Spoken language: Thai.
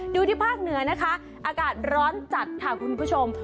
ที่ภาคเหนือนะคะอากาศร้อนจัดค่ะคุณผู้ชม